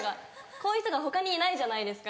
こういう人が他にいないじゃないですか。